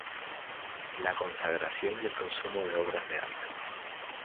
La consagración y el consumo de obras de arte.